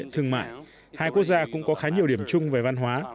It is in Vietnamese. trong mối quan hệ kinh tế thương mại hai quốc gia cũng có khá nhiều điểm chung về văn hóa